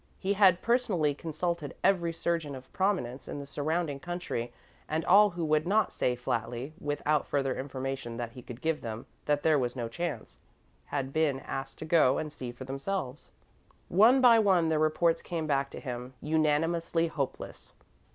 He had personally consulted every surgeon of prominence in the surrounding country, and all who would not say flatly, without further information than he could give them, that there was no chance, had been asked to go and see for themselves. One by one, their reports came back to him, unanimously hopeless.